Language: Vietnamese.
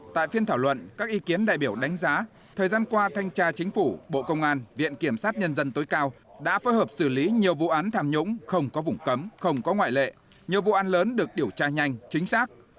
tại phiên thảo luận các ý kiến đại biểu đánh giá thời gian qua thanh tra chính phủ bộ công an viện kiểm sát nhân dân tối cao đã phối hợp xử lý nhiều vụ án tham nhũng không có vùng cấm không có ngoại lệ nhiều vụ án lớn được điều tra nhanh chính xác